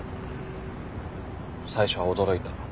最初は驚いた。